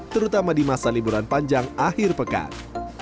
terutama di masa liburan panjang akhir pekan